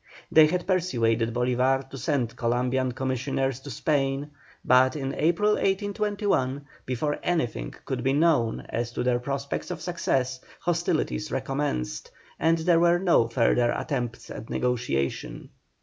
They had persuaded Bolívar to send Columbian commissioners to Spain, but in April, 1821, before anything could be known as to their prospects of success, hostilities recommenced, and there were no further attempts at negotiation.